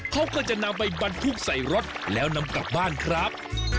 เขาก็จะนำไปบรรทุกใส่รถแล้วนำกลับบ้านครับ